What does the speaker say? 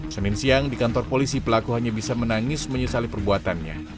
senin siang di kantor polisi pelaku hanya bisa menangis menyesali perbuatannya